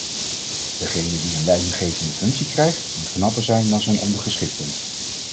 Degene die een leidinggevende functie krijgt, moet knapper zijn dan zijn ondergeschikten.